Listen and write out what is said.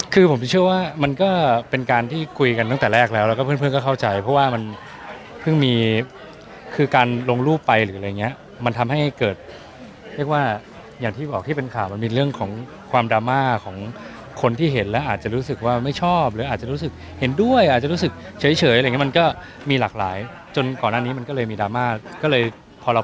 คือผมเชื่อว่ามันก็เป็นการที่คุยกันตั้งแต่แรกแล้วแล้วก็เพื่อนก็เข้าใจเพราะว่ามันเพิ่งมีคือการลงรูปไปหรืออะไรอย่างเงี้ยมันทำให้เกิดเรียกว่าอย่างที่บอกที่เป็นข่าวมันมีเรื่องของความดราม่าของคนที่เห็นแล้วอาจจะรู้สึกว่าไม่ชอบหรืออาจจะรู้สึกเห็นด้วยอาจจะรู้สึกเฉยอะไรอย่างเงี้มันก็มีหลากหลายจนก่อนหน้านี้มันก็เลยมีดราม่าก็เลยพอเรา